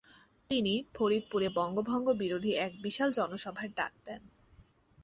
তিনি ফরিদপুরে বঙ্গভঙ্গ বিরোধী এক বিশাল জনসভার ডাক দেন।